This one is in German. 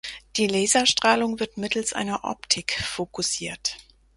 Die Laserstrahlung wird mittels einer Optik fokussiert.